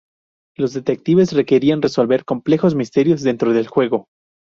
Los detectives requerirán resolver complejos misterios dentro del juego.